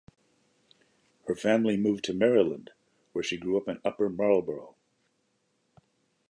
Her family moved to Maryland where she grew up in Upper Marlboro.